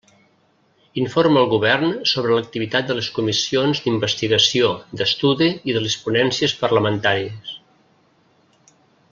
Informa el Govern sobre l'activitat de les comissions d'investigació, d'estudi i de les ponències parlamentàries.